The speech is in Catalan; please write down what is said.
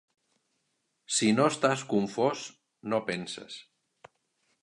Si no estàs confós, no penses.